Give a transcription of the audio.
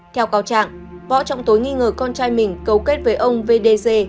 theo cao trạng võ trọng tối nghi ngờ con trai mình cầu kết với ông vdg